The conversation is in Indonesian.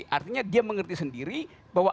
artinya dia mengerti sendiri bahwa